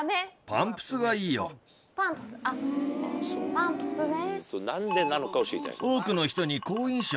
パンプスね。